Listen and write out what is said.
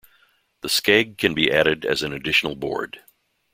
The skeg can be added as an additional board.